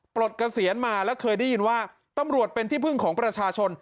ลดเกษียณมาแล้วเคยได้ยินว่าตำรวจเป็นที่พึ่งของประชาชน